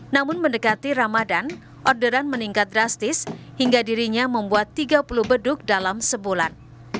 namun mendekati ramadan orderan meningkat drastis hingga dirinya membuat tiga puluh beduk dalam sebulan